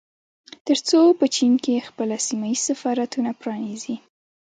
ترڅو په چين کې خپل سيمه ييز سفارتونه پرانيزي